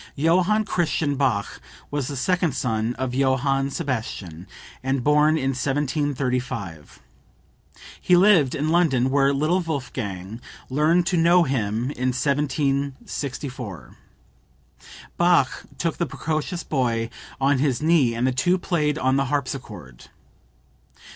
Johann Christian Bach was the second son of Johann Sebastian, and born in 1735. He lived in London where little Wolfgang learned to know him in 1764. Bach took the precocious boy on his knee and the two played on the harpsichord.